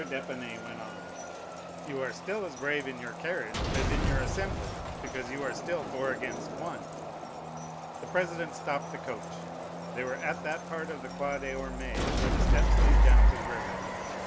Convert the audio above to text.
d'Épinay went on,—"You are still as brave in your carriage as in your assembly because you are still four against one." The president stopped the coach. They were at that part of the Quai des Ormes where the steps lead down to the river.